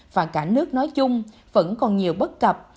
và cả nước nói chung vẫn còn nhiều bất cập